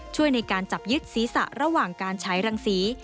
ช่วยในการจับยึดศีรษะระหว่างการใช้รังสี